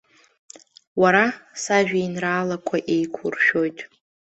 Уара сажәеинраалақәа еиқәуршәоит.